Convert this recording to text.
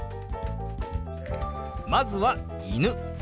まずは「犬」。